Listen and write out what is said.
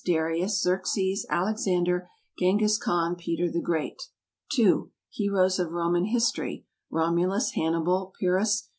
DARIUS. XERXES. ALEXANDER. GENGHIS KHAN. PETER THE GREAT. II. Heroes of Roman History. ROMULUS. HANNIBAL. PYRRHUS.